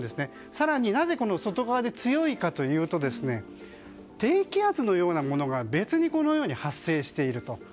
更に、なぜ外側で強いかというと低気圧のようなものが別にこのように発生していると。